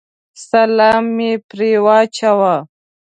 سلام مې پرې واچاوه.